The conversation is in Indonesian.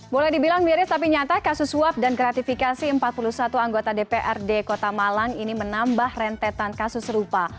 boleh dibilang miris tapi nyata kasus suap dan gratifikasi empat puluh satu anggota dprd kota malang ini menambah rentetan kasus serupa